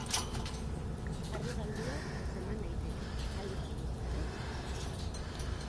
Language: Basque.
Ardi galdua atzeman daiteke, aldi galdua berriz ez.